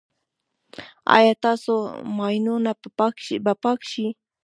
ایا ستاسو ماینونه به پاک شي؟